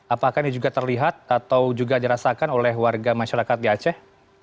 apakah ini juga terlihat atau juga dirasakan oleh warga masyarakat di aceh